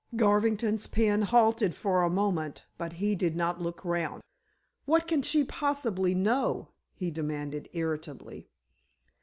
Garvington's pen halted for a moment, but he did not look round. "What can she possibly know?" he demanded irritably.